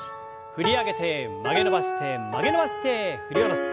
振り上げて曲げ伸ばして曲げ伸ばして振り下ろす。